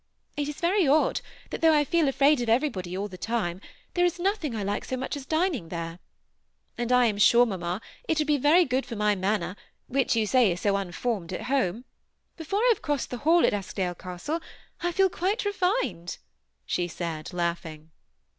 It is very odd, that though I feel afraid of everybody all the time, there is nothing I like so much as dining there. And I am sure, mamma, it would be very good for my manner, which, you say, is 60 unformed at home. Before I have crossed the hall at Eskdale pastle I feel quite refined," she said, laughing.